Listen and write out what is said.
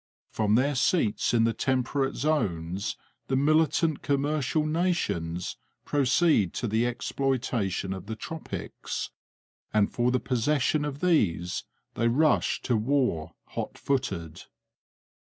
From their seats in the temperate zones the militant commercial nations proceed to the exploitation of the tropics, and for the possession of these they rush to war hot footed.